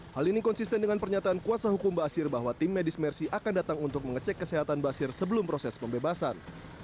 hal ini konsisten dengan pernyataan kuasa hukum bashir bahwa tim medis mersi akan datang untuk mengecek kesehatan bashir sebelum proses pembebasan